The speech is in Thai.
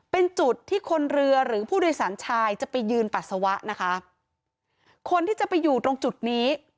เป็นจุดที่คนเรือหรือผู้โดยสารชายจะไปยืนปัสสาวะนะคะคนที่จะไปอยู่ตรงจุดนี้